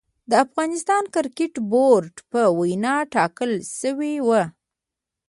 د افغانستان کريکټ بورډ په وينا ټاکل شوې وه